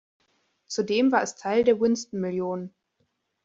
Zudem war es Teil der Winston Million.